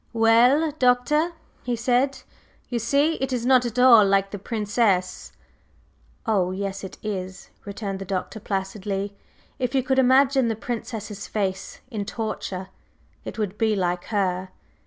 "Well, Doctor," he said, "you see it is not at all like the Princess." "Oh, yes it is!" returned the Doctor placidly. "If you could imagine the Princess's face in torture, it would be like her.